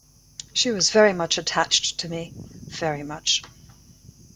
She was very much attached to me — very much.